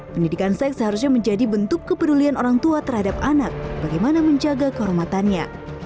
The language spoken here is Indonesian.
pendidikan seks seharusnya menjadi bentuk kepedulian orang tua terhadap anak bagaimana menjaga kehormatannya